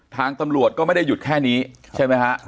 ทางตำรวจก็ไม่ได้หยุดแค่นี้ใช่ไหมฮะ